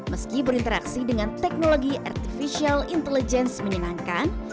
meski berinteraksi dengan teknologi artificial intelligence menyenangkan